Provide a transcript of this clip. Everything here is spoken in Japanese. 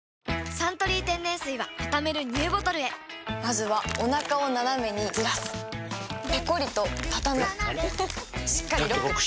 「サントリー天然水」はたためるＮＥＷボトルへまずはおなかをナナメにずらすペコリ！とたたむしっかりロック！